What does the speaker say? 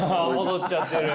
戻っちゃってる。